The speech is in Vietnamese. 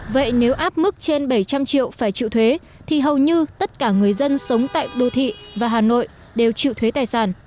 vậy nếu áp mức trên bảy trăm linh triệu phải chịu thuế thì hầu như tất cả người dân sống tại đô thị và hà nội đều chịu thuế tài sản